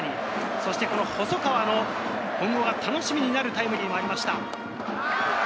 そして細川の今後が楽しみになるタイムリーもありました。